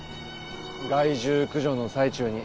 害獣駆除の最中に。